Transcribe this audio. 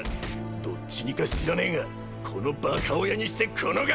どっち似か知らねえがこのバカ親にしてこのガキありか！